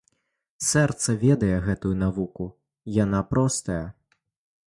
Сэрца ведае гэтую навуку, яна простая.